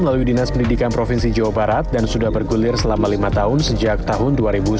melalui dinas pendidikan provinsi jawa barat dan sudah bergulir selama lima tahun sejak tahun dua ribu sembilan belas